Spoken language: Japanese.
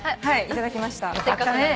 はい頂きました。